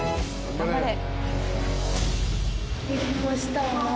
頑張れ！